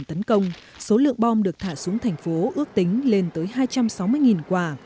tấn công số lượng bom được thả xuống thành phố ước tính lên tới hai trăm sáu mươi quả